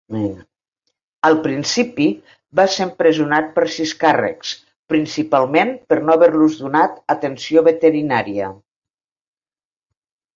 Al principi va ser empresonat per sis càrrecs, principalment per no haver-los donat atenció veterinària.